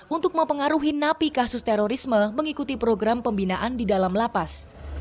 untuk mempengaruhi napi kasus terorisme mengikuti program pembinaan di dalam lapas